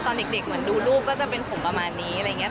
ตอนเด็กเหมือนดูรูปก็จะเป็นผมประมาณนี้อะไรอย่างนี้